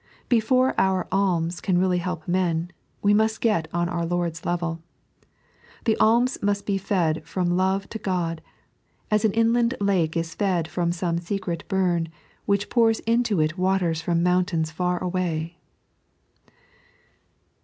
Before our alms can really help men, we must get on our Lord's level. The alms must be fed from love to Ood, as an inland lake is fed from some secret bum, which pours into it waters from mountains far away.